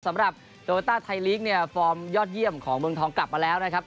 สำหรับโตโยต้าไทยลีกเนี่ยฟอร์มยอดเยี่ยมของเมืองทองกลับมาแล้วนะครับ